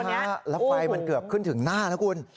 แล้วไฟมันเกือบขึ้นถึงหน้านะคุณ